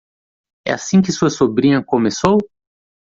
É assim que sua sobrinha começou?